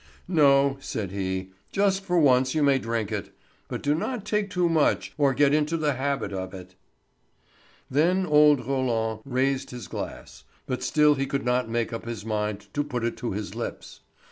"No," said he. "Just for once you may drink it; but do not take too much, or get into the habit of it." Then old Roland raised his glass, but still he could not make up his mind to put it to his lips.